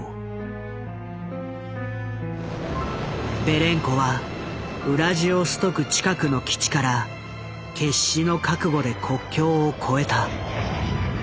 ベレンコはウラジオストク近くの基地から決死の覚悟で国境を越えた。